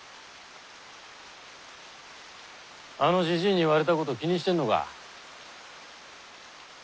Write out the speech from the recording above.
あのジジイに言われたこと気にしてんのか？